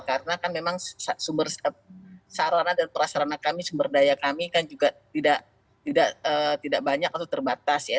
karena kan memang sumber sarana dan perasarana kami sumber daya kami kan juga tidak banyak atau terbatas ya